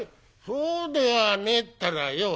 「そうではねえったらよ。